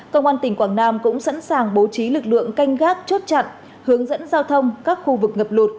công an tỉnh quảng nam cũng sẵn sàng bố trí lực lượng canh gác chốt chặn hướng dẫn giao thông các khu vực ngập lụt